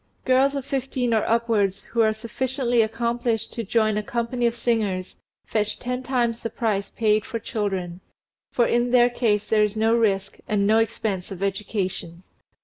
Girls of fifteen or upwards who are sufficiently accomplished to join a company of singers fetch ten times the price paid for children; for in their case there is no risk and no expense of education.